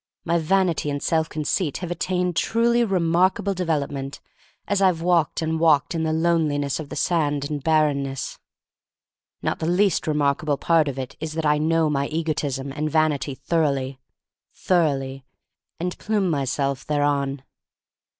My vanity and self conceit have attained truly remarkable de velopment as Tve walked and walked in the loneliness of the sand and barrenness. Not the least remarkable part of it is that I know my egotism and vanity thoroughly — thoroughly, and plume myself thereon.